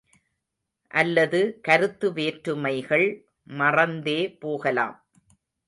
அல்லது கருத்து வேற்றுமைகள் மறந்தே போகலாம்.